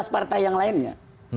empat belas partai yang lainnya